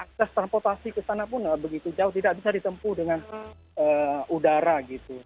akses transportasi ke sana pun begitu jauh tidak bisa ditempuh dengan udara gitu